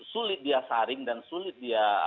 sulit dia saring dan sulit dia